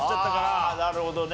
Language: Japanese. ああなるほどね。